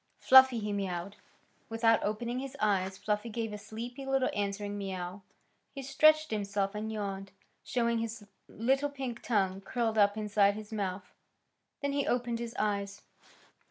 "Fluffy!" he mewed. Without opening his eyes Fluffy gave a sleepy little answering mew. He stretched himself and yawned, showing his little pink tongue curled up inside his mouth. Then he opened his eyes.